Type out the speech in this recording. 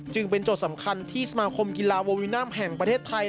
จึงเป็นโจทย์สำคัญที่สมาคมกีฬาโววินัมแห่งประเทศไทย